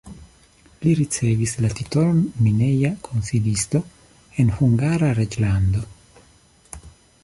Li ricevis la titolon mineja konsilisto en Hungara reĝlando.